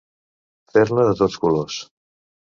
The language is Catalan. Fer-ne de tots colors.